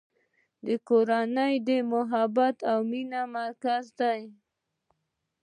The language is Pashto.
کورنۍ د محبت او مینې مرکز دی.